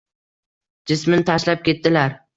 Jismin tashlab ketdilar.